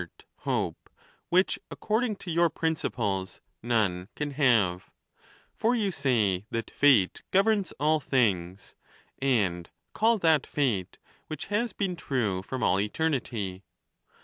323 fovt, hope, which, according to your principles, none can have ; for you say that fate governs all things, and call that fate which has been true from all eternity.